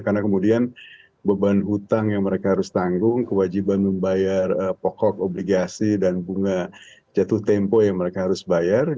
karena kemudian beban hutang yang mereka harus tanggung kewajiban membayar pokok obligasi dan bunga jatuh tempo yang mereka harus bayar